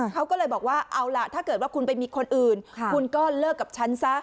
เขาก็เลยบอกว่าเอาล่ะถ้าเกิดว่าคุณไปมีคนอื่นคุณก็เลิกกับฉันซะ